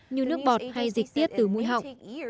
như nước bọt hay dịch tiết từ mũi học